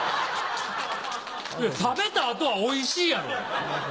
食べた後は「おいしい」やろ。